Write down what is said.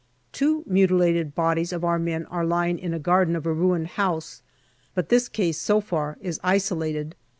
Two mutilated bodies of our men are lying in a garden of a ruined house, but this case so far is isolated.